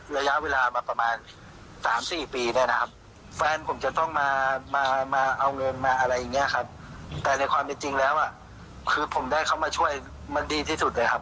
และผมจะทำยังไงครับ